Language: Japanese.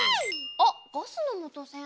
あっガスのもとせん。